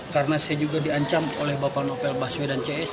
karena saya juga diancam oleh bapak novel baswe dan cs